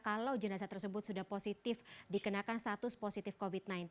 kalau jenazah tersebut sudah positif dikenakan status positif covid sembilan belas